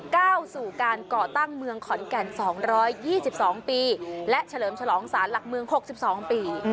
ก้าวสู่การก่อตั้งเมืองขอนแก่นสองร้อยยี่สิบสองปีและเฉลิมฉลองศาลหลักเมืองหกสิบสองปี